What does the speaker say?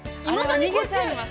逃げちゃいます。